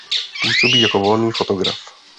Působí jako volný fotograf.